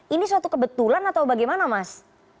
ini suatu kebetulan atau bagaimana mas